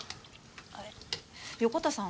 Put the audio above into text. あれっ横田さん